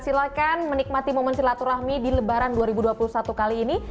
silahkan menikmati momen silaturahmi di lebaran dua ribu dua puluh satu kali ini